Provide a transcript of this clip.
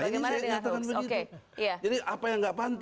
nah ini saya nyatakan begitu